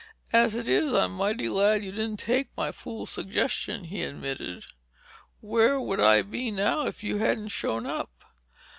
As it is, I'm mighty glad you didn't take my fool suggestion," he admitted. "Where would I be now, if you hadn't shown up?